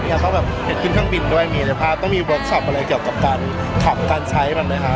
แล้วก็แบบเห็นขึ้นเครื่องบินด้วยมีในภาพต้องมีเวิร์คชอปอะไรเกี่ยวกับการขับการใช้มันไหมคะ